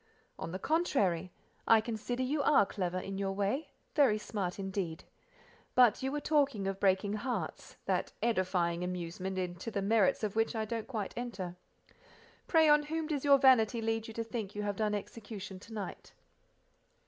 "On the contrary, I consider you are clever, in your way—very smart indeed. But you were talking of breaking hearts—that edifying amusement into the merits of which I don't quite enter; pray on whom does your vanity lead you to think you have done execution to night?"